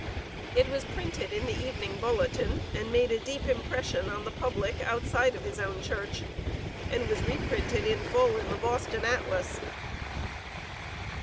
It was printed in the "Evening Bulletin," and made a deep impression on the public outside of his own church, and was reprinted in full, in the Boston "Atlas."